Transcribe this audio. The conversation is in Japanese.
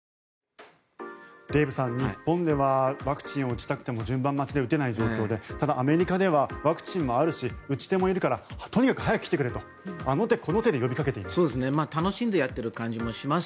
デーブさん、日本ではワクチンを打ちたくても順番待ちで打てない状況でただ、アメリカではワクチンもあるし打ち手もいるからとにかく早く来てくれとあの手この手で呼びかけています。